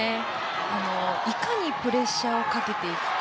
いかにプレッシャーをかけていくか。